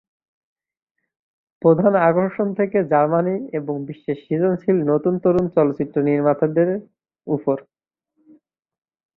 প্রধান আকর্ষণ থাকে জার্মানি এবং বিশ্বের সৃজনশীল নতুন তরুণ চলচ্চিত্র নির্মাতাদের ওপর।